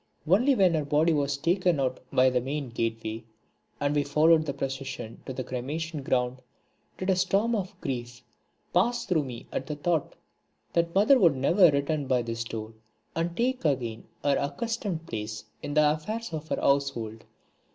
Only when her body was taken out by the main gateway, and we followed the procession to the cremation ground, did a storm of grief pass through me at the thought that mother would never return by this door and take again her accustomed place in the affairs of her household.